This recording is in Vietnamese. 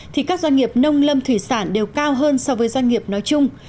thì các doanh nghiệp nông lâm thủy sản đều cao hơn so với doanh nghiệp nói chung